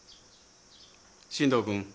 進藤君。